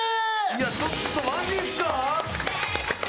いやちょっとマジっすか？